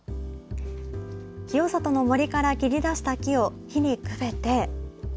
清里の森から切り出した木を火にくべて。